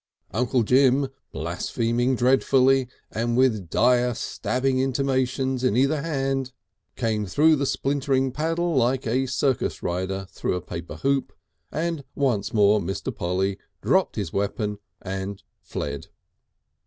Uncle Jim, blaspheming dreadfully and with dire stabbing intimations in either hand, came through the splintering paddle like a circus rider through a paper hoop, and once more Mr. Polly dropped his weapon and fled.